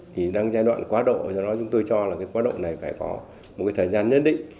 thì đang giai đoạn quá độ chúng tôi cho là cái quá độ này phải có một thời gian nhất định